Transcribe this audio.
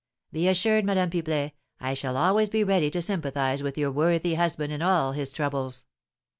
"Be assured, Madame Pipelet, I shall always be ready to sympathise with your worthy husband in all his troubles."